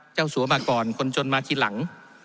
สัวมาก่อนคนจนมาทีหลัง